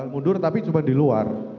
mundur tapi coba di luar